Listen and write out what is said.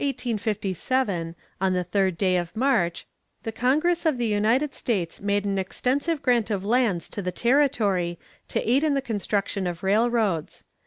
In the year 1857, on the third day of March, the congress of the United States made an extensive grant of lands to the territory to aid in the construction of railroads.